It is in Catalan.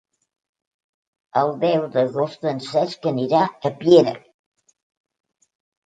El deu d'agost en Cesc anirà a Piera.